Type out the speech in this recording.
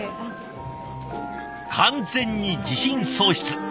完全に自信喪失。